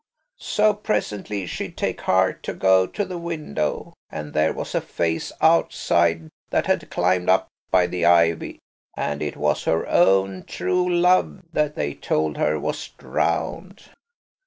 So presently she'd take heart to go to the window, and there was a face outside that had climbed up by the ivy, and it was her own true love that they'd told her was drowned."